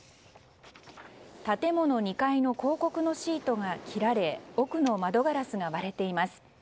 建物２階の広告のシートが切られ奥の窓ガラスが割れています。